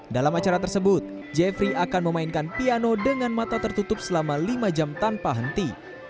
dalam acara tersebut jeffrey akan memainkan piano dengan mata tertutup selama lima jam tanpa henti